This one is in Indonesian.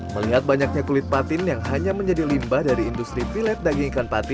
melihat banyaknya kulit patin yang hanya menjadi limba dari industri filet daging ikan patin